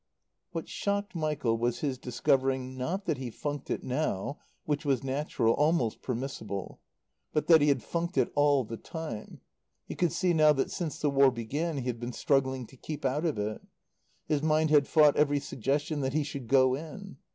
What shocked Michael was his discovering, not that he funked it now, which was natural, almost permissible, but that he had funked it all the time. He could see now that, since the War began, he had been struggling to keep out of it. His mind had fought every suggestion that he should go in.